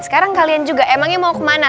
sekarang kalian juga emangnya mau kemana